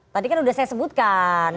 tadi kan sudah saya sebutkan